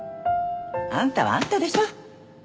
あんたはあんたでしょ。